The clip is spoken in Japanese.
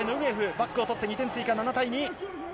バックを取って２点追加、７対２。